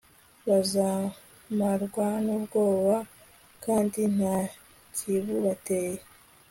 bazamarwa n'ubwoba kandi nta kibubateye